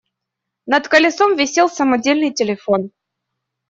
Над колесом висел самодельный телефон.